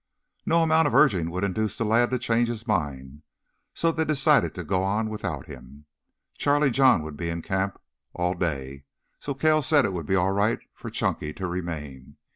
No amount of urging would induce the lad to change his mind, so they decided to go on without him. Charlie John would be in the camp all day, so Cale said it would be all right for Chunky to remain.